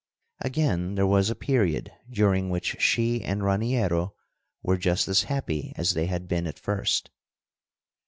Again, there was a period during which she and Raniero were just as happy as they had been at first.